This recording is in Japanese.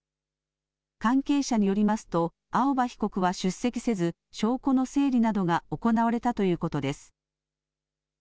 関係者によりますと青葉被告は出席せず証拠の整理などが行われたということです。